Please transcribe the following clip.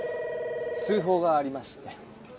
通ほうがありまして。